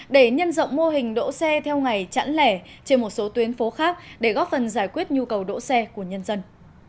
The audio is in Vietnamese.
để nhân rộng mô hình đỗ xe theo ngày chẵn lẻ trên một số tuyến phố khác để góp phần giải quyết nhu cầu đỗ xe của nhân dân